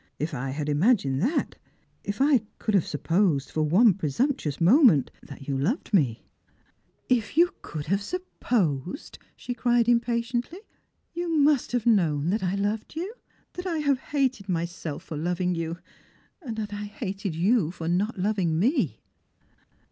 If I had imagined that; if I could have supposed, for one presumptuous moment, that you loved me "" If you could have supposed !" she cried impatiently. " You must have known that I loved yon, that I have hated myself for loving you, that I hated you tor not loving me."